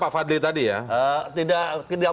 pak fadli tadi ya tidak